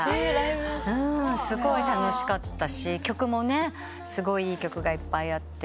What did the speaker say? すごい楽しかったし曲もすごいいい曲がいっぱいあって。